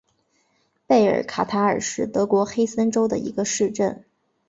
贝尔卡塔尔是德国黑森州的一个市镇。